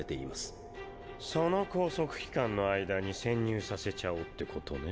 その拘束期間の間に潜入させちゃおってことね。